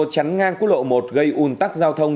chắn ngang cú lộ một gây un tắc giao thông